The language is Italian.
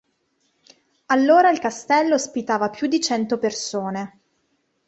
Allora il castello ospitava più di cento persone.